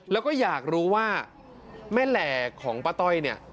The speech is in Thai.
แล้วก็อยากรู้ว่าแม่แหล่ของป้าต้อยเนี่ย